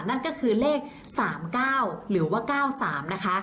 นั่นก็คือเลข๓๙หรือว่า๙๓นะคะ